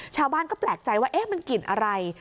ชาวบ้านก็แปลกใจว่ามันกลิ่นอะไร